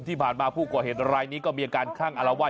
ที่ผ่านมาผู้ก่อเหตุรายนี้ก็มีอาการคลั่งอารวาส